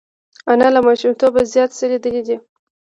انا له ماشومتوبه زیات څه لیدلي دي